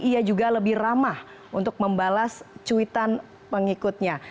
ia juga lebih ramah untuk membalas cuitan pengikutnya